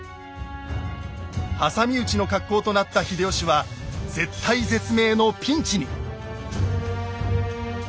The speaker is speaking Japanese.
挟み撃ちの格好となった秀吉は絶体絶命のピンチに。